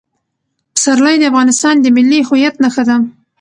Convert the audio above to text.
پسرلی د افغانستان د ملي هویت نښه ده.